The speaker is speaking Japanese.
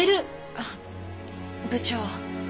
あっ部長。